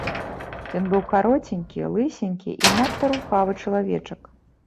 Ён быў кароценькі, лысенькі і надта рухавы чалавечак.